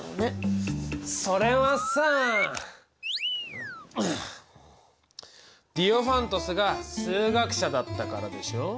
それはさディオファントスが数学者だったからでしょ。